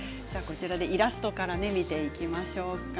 イラストから見ていきましょうか。